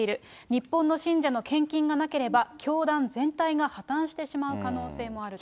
日本の信者の献金がなければ、教団全体が破綻してしまう可能性もあると。